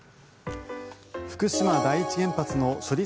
福島第一原発の処理